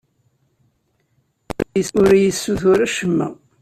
Ur iyi-ssutur acemma.